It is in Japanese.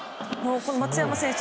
松山選手